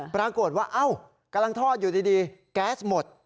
ปรากฏว่าเอ้ากำลังทอดอยู่ดีแก๊สหมด